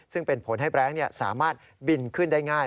ซึ่งเป็นผลให้แบรงค์สามารถบินขึ้นได้ง่าย